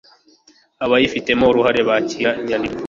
abayifitemo uruhare bakira inyandiko